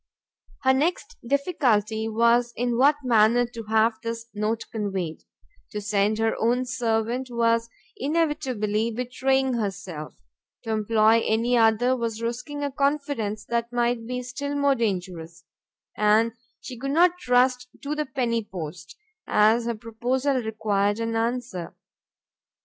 Her next difficulty was in what manner to have this note conveyed; to send her own servant was inevitably betraying herself, to employ any other was risking a confidence that might be still more dangerous, and she could not trust to the penny post, as her proposal required an answer.